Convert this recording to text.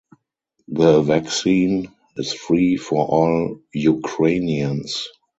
The vaccine is free for all Ukrainians.